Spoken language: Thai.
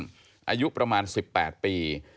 เป็นชายวัยรุ่นอายุประมาณ๑๘ปี